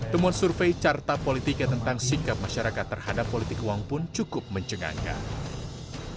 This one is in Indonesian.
temuan survei carta politika tentang sikap masyarakat terhadap politik uang pun cukup mencengangkan